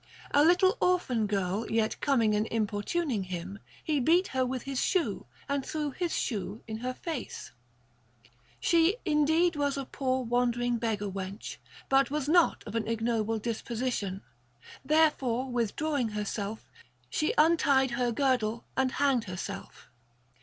A little orphan girl yet coming and importuning him, he beat her with his shoe, and threw his shoe in her face. She indeed was a poor wandering beggar wench, but was not of an ignoble disposition ; therefore withdrawing herself, she untied her girdle and hanged herself.